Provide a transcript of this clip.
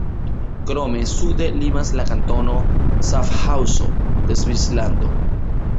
Krome sude limas la kantono Ŝafhaŭzo de Svislando.